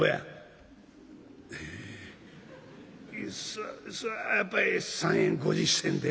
そそれはやっぱり３円５０銭でんな」。